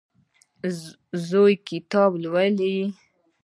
زوی کتاب لولي.